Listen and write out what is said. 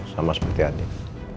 sama seperti andin